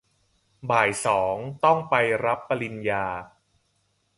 บ่ายสองต้องไปรับปริญญา